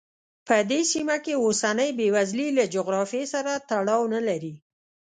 په دې سیمه کې اوسنۍ بېوزلي له جغرافیې سره تړاو نه لري.